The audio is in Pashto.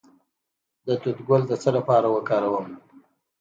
د توت ګل د څه لپاره وکاروم؟